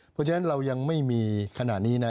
เพราะฉะนั้นเรายังไม่มีขณะนี้นะ